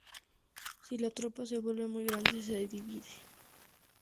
Si la tropa se vuelve muy grande se divide.